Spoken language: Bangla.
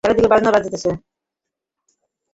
চারিদিকে বাজনা বাজিতেছে।